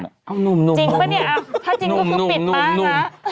จริงป่ะเนี่ยถ้าจริงก็คือปิดบ้านนะ